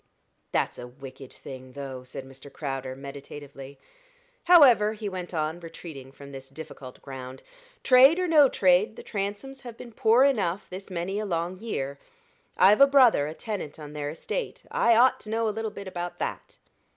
"That's a wicked thing, though," said Mr. Crowder, meditatively. "However," he went on, retreating from this difficult ground, "trade or no trade, the Transomes have been poor enough this many a long year. I've a brother a tenant on their estate I ought to know a little bit about that."